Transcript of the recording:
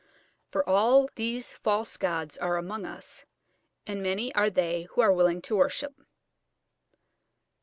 For all these false gods are among us, and many are they who are willing to worship.